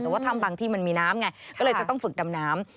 แต่ว่าถ้ำบางที่มันมีน้ำไงก็เลยจะต้องฝึกดำน้ำ